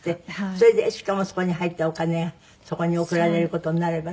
それでしかもそこに入ったお金がそこに送られる事になればね。